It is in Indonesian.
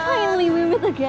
akhirnya kita bertemu lagi